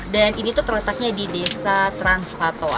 dan ini tuh terletaknya di desa transpatoa